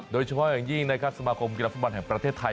โดยเฉพาะอย่างยิ่งนะครับสมาคมกีฬาฟุตบอลแห่งประเทศไทย